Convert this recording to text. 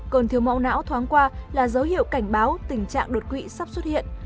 cơn thiếu mẫu não thoáng qua là dấu hiệu cảnh báo tình trạng đột quỵ sắp xuất hiện